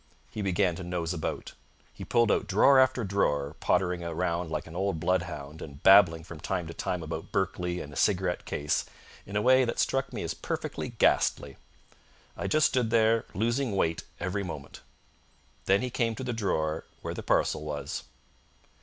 He began to nose about. He pulled out drawer after drawer, pottering around like an old bloodhound, and babbling from time to time about Berkeley and his cigarette case in a way that struck me as perfectly ghastly. I just stood there, losing weight every moment. Then he came to the drawer where the parcel was.